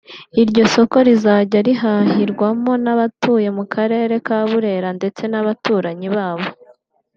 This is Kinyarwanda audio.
Iryo soko rizajya rihahirwamo n’abatuye mu Karere ka Burera ndetse n’abaturanyi babo